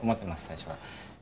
最初は。